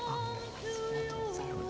ありがとうございます。